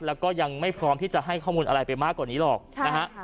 แล้วก็ยังไม่พร้อมที่จะให้ข้อมูลอะไรไปมากกว่านี้หรอกนะฮะ